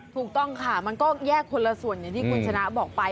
ถูกต้องค่ะมันก็แยกคนละส่วนอย่างที่คุณชนะบอกไป